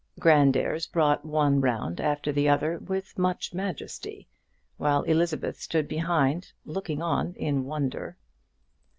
Grandairs brought one round after the other with much majesty, while Elizabeth stood behind looking on in wonder.